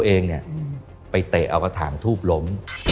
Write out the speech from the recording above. น้องหยกตกใจตื่น